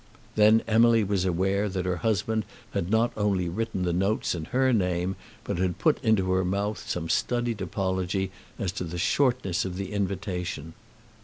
Then Emily was aware that her husband had not only written the notes in her name, but had put into her mouth some studied apology as to the shortness of the invitation.